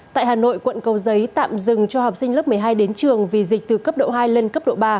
tại hà nội quận cầu giấy tạm dừng cho học sinh lớp một mươi hai đến trường vì dịch từ cấp độ hai lên cấp độ ba